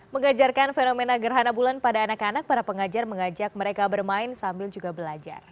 mengajarkan fenomena gerhana bulan pada anak anak para pengajar mengajak mereka bermain sambil juga belajar